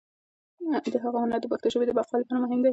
د هغه هنر د پښتو ژبې د بقا لپاره مهم دی.